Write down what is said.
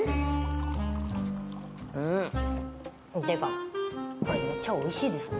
ってかこれめっちゃおいしいですね。